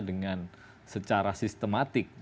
dengan secara sistematik